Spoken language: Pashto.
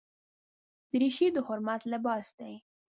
دریشي د حرمت لباس دی.